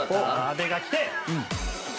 阿部がきて。